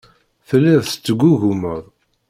Telliḍ tettgugumeḍ.